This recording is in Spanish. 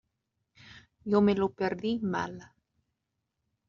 Yo me lo perdí mal.